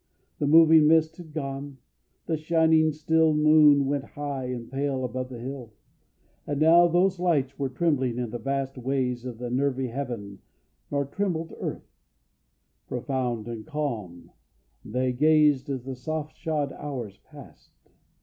The moving mist had gone, and shining still The moon went high and pale above the hill. Not now those lights were trembling in the vast Ways of the nervy heaven, nor trembled earth: Profound and calm they gazed as the soft shod hours passed.